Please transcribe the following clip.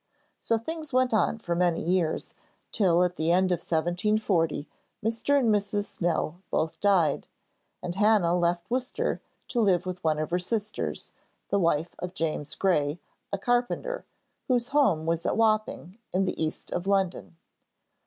So things went on for many years, till at the end of 1740 Mr. and Mrs. Snell both died, and Hannah left Worcester to live with one of her sisters, the wife of James Gray, a carpenter, whose home was at Wapping in the east of London.